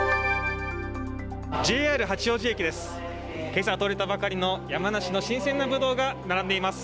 ＪＲ八王子駅です。